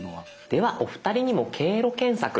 ではお二人にも経路検索ですね。